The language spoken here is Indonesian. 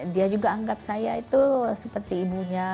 dia juga anggap saya itu seperti ibunya